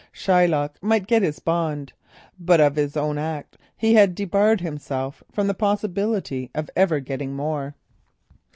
Shylock might get his bond, but of his own act he had debarred himself from the possibility of ever getting more.